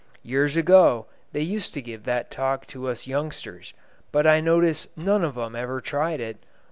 Years ago they used to give that talk to us youngsters, but I notice none of 'em ever tried it.